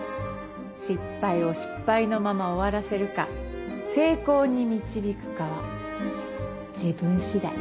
失敗を失敗のまま終わらせるか成功に導くかは自分次第。